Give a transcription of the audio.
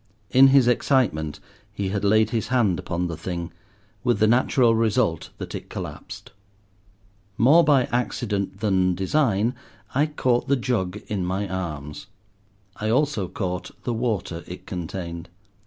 In his excitement he had laid his hand upon the thing, with the natural result that it collapsed. More by accident than design I caught the jug in my arms. I also caught the water it contained.